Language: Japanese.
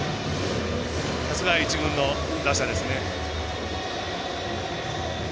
さすが１軍の打者ですね。